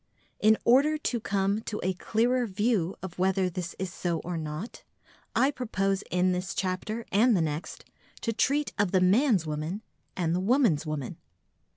In order to come to a clearer view of whether this is so or not, I propose in this chapter and the next to treat of the man's woman and the woman's woman.